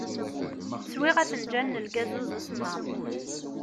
Swiɣ afenǧal n lgazuz asemmaḍ.